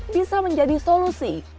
bisa menjadi solusi